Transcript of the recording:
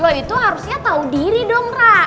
lo itu harusnya tau diri dong ra